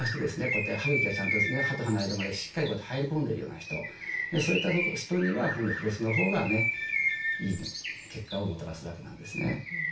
こうやって歯茎がちゃんと歯と歯の間までしっかりこうやって入り込んでいるような人そういった人にはフロスのほうがねいい結果をもたらすわけなんですね。